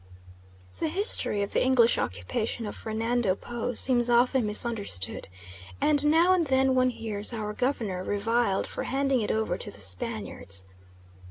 The history of the English occupation of Fernando Po seems often misunderstood, and now and then one hears our Government reviled for handing it over to the Spaniards.